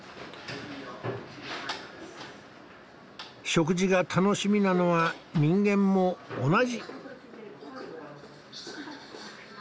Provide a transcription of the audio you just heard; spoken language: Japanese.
食事が楽しみなのは人間も同じ。